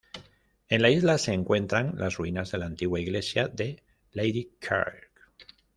En la isla se encuentran las ruinas de la antigua iglesia de Lady Kirk.